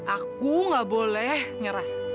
aku nggak boleh nyerah